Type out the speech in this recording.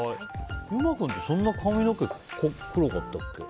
優馬君ってそんな髪の毛黒かったっけ？